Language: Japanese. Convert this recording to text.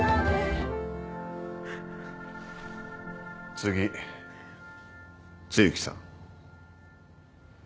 次露木さん。